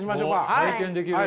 おっ体験できる？